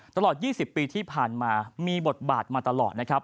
ตลอด๒๐ปีที่ผ่านมามีบทบาทมาตลอดนะครับ